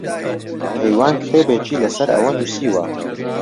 کەیوان کتێبێکی لەسەر ئەوە نووسیوە.